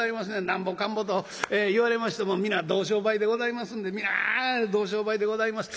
なんぼかんぼと言われましても皆同商売でございますんで皆同商売でございます。